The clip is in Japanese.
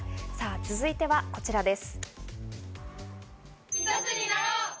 続いてはこちらです。